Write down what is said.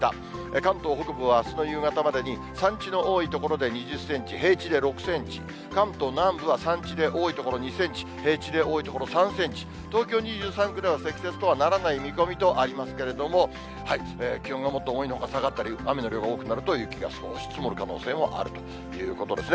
関東北部はあすの夕方までに、山地の多い所で２０センチ、平地で６センチ、関東南部は、山地で多い所２センチ、平地で多い所３センチ、東京２３区では積雪とはならない見込みとありますけれども、気温がもっと思いのほか下がったり、雨の量が多くなると雪が少し積もる可能性もあるということですね。